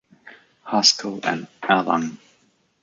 Haskell and Erlang.